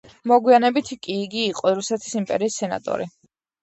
მოგვიანებით კი იგი იყო რუსეთის იმპერიის სენატორი.